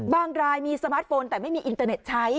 รายมีสมาร์ทโฟนแต่ไม่มีอินเตอร์เน็ตใช้